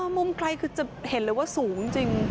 มุมไกลคือจะเห็นเลยว่าสูงจริง